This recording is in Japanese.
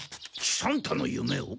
喜三太の夢を？